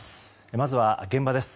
まずは現場です。